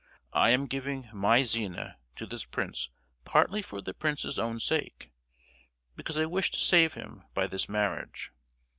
I am giving my Zina to this prince partly for the prince's own sake, because I wish to save him by this marriage.